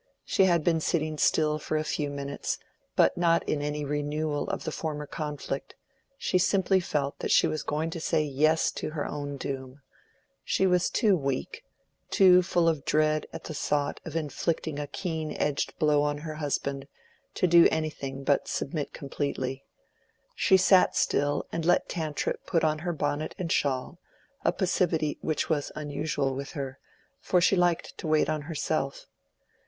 She had been sitting still for a few minutes, but not in any renewal of the former conflict: she simply felt that she was going to say "Yes" to her own doom: she was too weak, too full of dread at the thought of inflicting a keen edged blow on her husband, to do anything but submit completely. She sat still and let Tantripp put on her bonnet and shawl, a passivity which was unusual with her, for she liked to wait on herself.